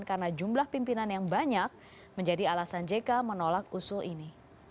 karena jumlah pimpinan yang banyak menjadi alasan jk menolak usul ini